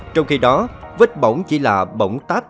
trong khi đó vết bỗng chỉ là bỗng tát